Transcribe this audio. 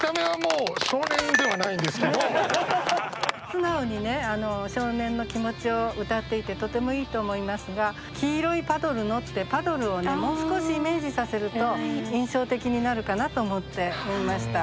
素直にね少年の気持ちをうたっていてとてもいいと思いますが「黄色いパドルの」ってパドルをもう少しイメージさせると印象的になるかなと思って読みました。